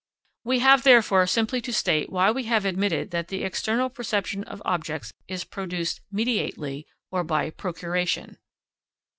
We have, therefore, simply to state why we have admitted that the external perception of objects is produced mediately or by procuration.